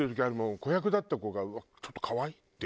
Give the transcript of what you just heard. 子役だった子がちょっと可愛いっていうさ。